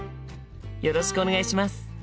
よろしくお願いします。